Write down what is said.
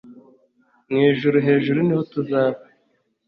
mu ijuru hejuru niho tuzaba